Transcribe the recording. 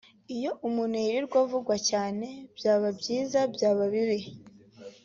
Iyo umuntu yirirwa avugwa cyane byaba byiza byaba bibi